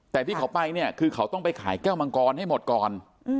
แต่ที่เขาไปเนี่ยคือเขาต้องไปขายแก้วมังกรให้หมดก่อน